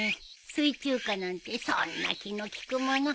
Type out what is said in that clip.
水中花なんてそんな気の利くもの。